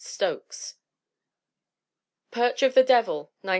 Stokes. Perch of the Devil, 1914.